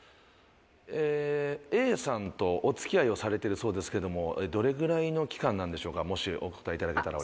えＡさんとお付き合いをされてるそうですけどもどれぐらいの期間なんでしょうかもしお答えいただけたら。